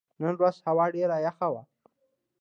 نن ورځ هوا ډېره یخه وه.